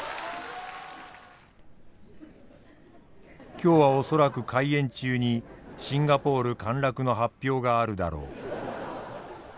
「今日は恐らく開演中にシンガポール陥落の発表があるだろう。